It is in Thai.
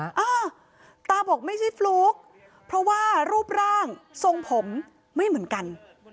อ่าตาบอกไม่ใช่ฟลุ๊กเพราะว่ารูปร่างทรงผมไม่เหมือนกัน